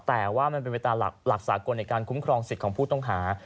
แต่ว่ามันเป็นไปตามหลักสากลในการคุ้มครองสิทธิ์ของผู้ต้องหา